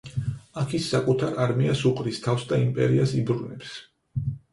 აქ ის საკუთარ არმიას უყრის თავს და იმპერიას იბრუნებს.